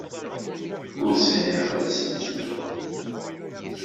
Ur sɛiɣ ara aselsu.